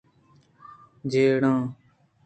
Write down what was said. جیڑان